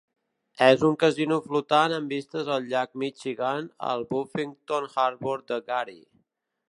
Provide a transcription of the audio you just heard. És un casino flotant amb vistes al llac Michigan al Buffington Harbor de Gary.